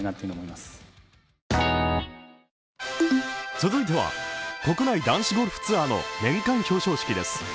続いては、国内男子ゴルフツアーの年間表彰式です。